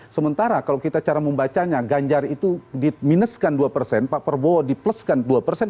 sementara kalau kita cara membacanya ganjar itu dimineskan dua persen pak prabowo di pluskan dua persen